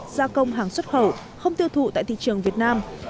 gia công hàng xuất khẩu không tiêu thụ tại thị trường việt nam